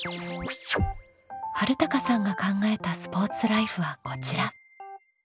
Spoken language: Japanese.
はるたかさんが考えたスポーツライフはこちら。